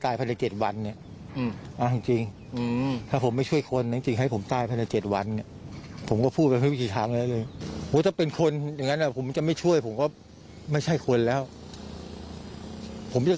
ถ้าเกิดลุงโกหกนี่ให้มีอันเป็นไปเลย